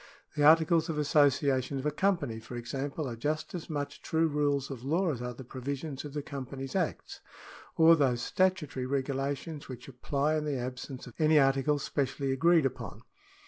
The articles of association of a company, for example, are just as much true rules of law, as are the provisions of the Com panies Acts, or those statutory regulations which apply in the absence of any articles specially agreed upon.